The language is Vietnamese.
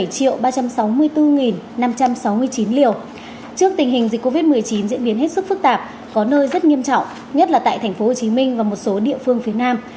trước tình hình dịch covid một mươi chín diễn biến hết sức phức tạp có nơi rất nghiêm trọng nhất là tại tp hcm và một số địa phương phía nam